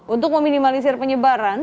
untuk meminimalisir penyebaran